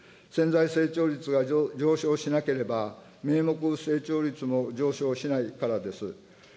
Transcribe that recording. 潜在成長率が上昇しなければ、名目成長率も上昇しないからです。